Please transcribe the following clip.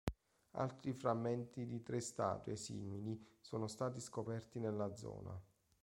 Altri frammenti di tre statue simili sono stati scoperti nella zona.